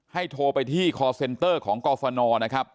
โทรไปที่คอร์เซนเตอร์ของกรฟนนะครับ